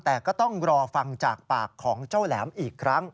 แต่ก็ต้องรอฟังจากปากของเจ้าแหลมอีกครั้ง